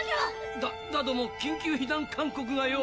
だっだども緊急避難勧告がよぉ。